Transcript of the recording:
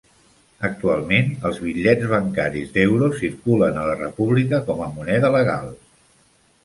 Actualment els bitllets bancaris d'Euro circulen a la República com a moneda legal.